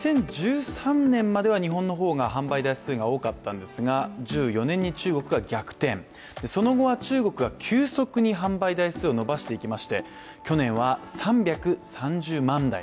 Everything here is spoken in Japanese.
２０１３年までは日本の方が販売台数が多かったのですが、１４年に中国が逆転、その後は中国が急速に販売台数を伸ばしていきまして去年は３３０万台。